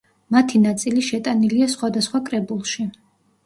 მათი ნაწილი შეტანილია სხვადასხვა კრებულში.